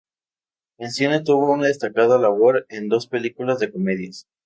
En cine tuvo una destacada labor en dos películas de comedias.